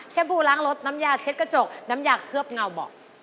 บูล้างรถน้ำยาเช็ดกระจกน้ำยาเคลือบเงาเบาะ